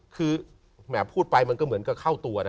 คือแหมพูดไปมันก็เหมือนกับเข้าตัวนะ